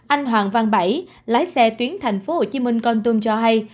anh hoàng văn bảy lái xe tuyến thành phố hồ chí minh con tum cho hay